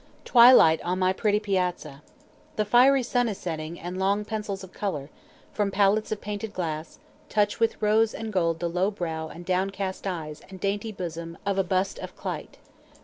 Twilight on my pretty piazza. The fiery sun is setting, and long pencils of color, from palettes of painted glass, touch with rose and gold the low brow and downcast eyes and dainty bosom of a bust of Clyte.